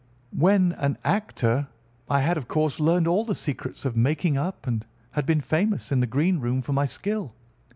When an actor I had, of course, learned all the secrets of making up, and had been famous in the green room for my skill.